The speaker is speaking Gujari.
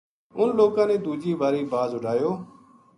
اُنھ لوکاں نے دوجی واری باز اُڈایو